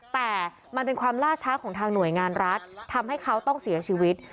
แต่มันเป็นความล่าช้าของทางหน่วยงานรัฐทำให้เขาต้องเสียชีวิต